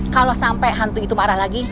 kalo sampe hantu itu marah lagi